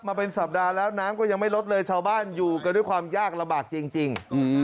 มาเป็นสัปดาห์แล้วน้ำก็ยังไม่ลดเลยชาวบ้านอยู่กันด้วยความยากลำบากจริง